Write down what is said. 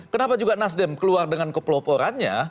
kenapa juga nasdem keluar dengan kepeloporannya